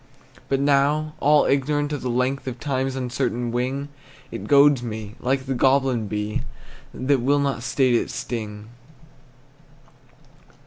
But now, all ignorant of the length Of time's uncertain wing, It goads me, like the goblin bee, That will not state its sting.